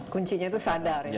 kuncinya itu sadar ya